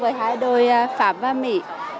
với hai đội pháp và mỹ